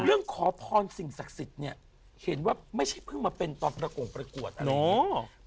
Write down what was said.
เรื่องขอพรสิ่งศักดิ์สิทธิ์เนี่ยเห็นว่าไม่ใช่เพิ่งมาเป็นตอนระโกงประกวดอะไรอย่างนี้